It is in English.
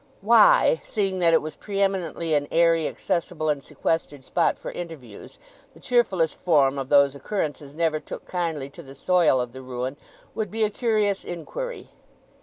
Why, seeing that it was pre eminently an airy, accessible, and sequestered spot for interviews, the cheerfullest form of those occurrences never took kindly to the soil of the ruin, would be a curious inquiry.